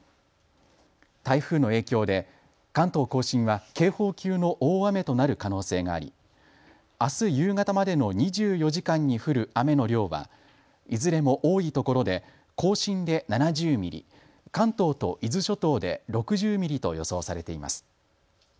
台風の影響で関東甲信は警報級の大雨となる可能性がありあす夕方までの２４時間に降る雨の量はいずれも多いところで甲信で７０ミリ、関東と伊豆諸島で６０ミリと予想されています。